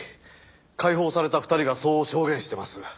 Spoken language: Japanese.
解放された２人がそう証言してます。